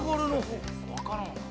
分からんわ。